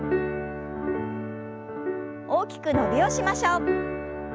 大きく伸びをしましょう。